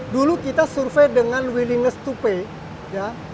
dulu kita survei dengan willingness to pay ya